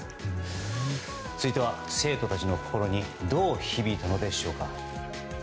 続いては、生徒たちの心にどう響いたのでしょうか。